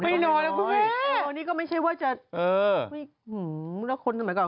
ไม่น้อยนะคุณแม่อันนี้ก็ไม่ใช่ว่าจะแล้วคุณสมัยก่อน